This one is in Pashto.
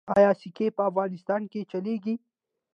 آیا سکې په افغانستان کې چلیږي؟